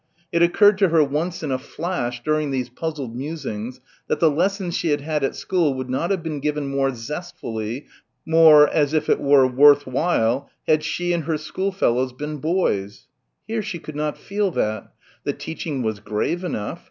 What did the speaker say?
It occurred to her once in a flash during these puzzled musings that the lessons she had had at school would not have been given more zestfully, more as if it were worth while, had she and her schoolfellows been boys. Here she could not feel that. The teaching was grave enough.